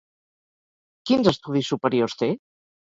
Quins estudis superiors té?